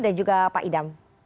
dan juga pak idam